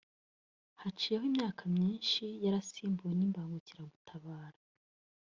haciyeho imyaka myinshi yarasimbuwe n’imbangukiragutabara